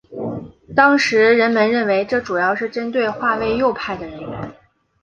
当时人们认为这主要是针对划为右派的人员。